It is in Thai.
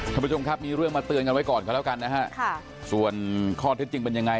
ท่านผู้ชมครับมีเรื่องมาเตือนกันไว้ก่อนกันแล้วกันนะฮะค่ะส่วนข้อเท็จจริงเป็นยังไง